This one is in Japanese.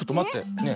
ねえ。